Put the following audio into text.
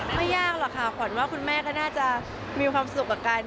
ไม่ยากหรอกค่ะขวัญว่าคุณแม่ก็น่าจะมีความสุขกับการ